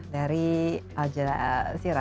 dari aljadah zira